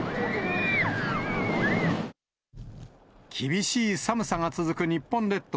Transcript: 厳しい寒さが続く日本列島。